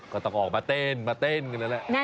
ก็ต้องออกมาเต้นมาเต้นกันนั่นแหละ